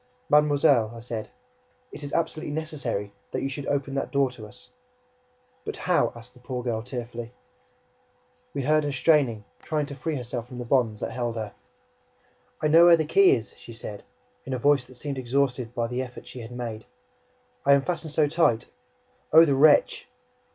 "Mademoiselle," I said, "it is absolutely necessary, that you should open that door to us!" "But how?" asked the poor girl tearfully. We heard her straining, trying to free herself from the bonds that held her. "I know where the key is," she said, in a voice that seemed exhausted by the effort she had made. "But I am fastened so tight ... Oh, the wretch!"